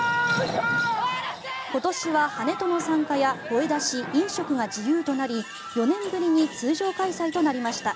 今年はハネトの参加や声出し、飲食が自由となり４年ぶりに通常開催となりました。